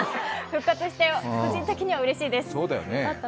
復活して個人的にはうれしいです。